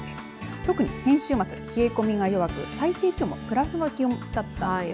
特に先週末、冷え込みが弱く最低気温プラスの気温だったんです。